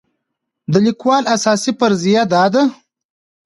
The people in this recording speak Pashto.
د لیکوال اساسي فرضیه دا ده.